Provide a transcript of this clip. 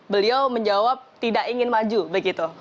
beliau menjawab tidak ingin maju begitu